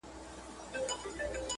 سرسایه ادا کړه